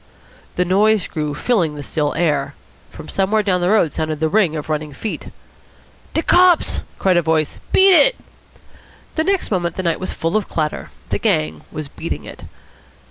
The noise grew, filling the still air. From somewhere down the road sounded the ring of running feet. "De cops!" cried a voice. "Beat it!" Next moment the night was full of clatter. The gang was "beating it."